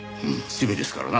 趣味ですからな。